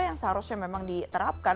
yang seharusnya memang diterapkan